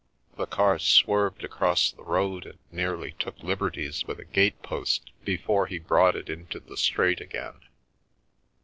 The car swerved across the road and nearly took liberties with a gatepost before he brought it into the straight again.